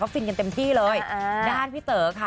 ฟินกันเต็มที่เลยด้านพี่เต๋อค่ะ